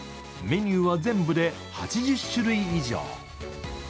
メニューは全部で８０種類以上。